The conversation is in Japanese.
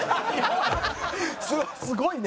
すごいね！